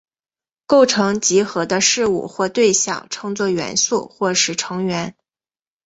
构成集合的事物或对象称作元素或是成员。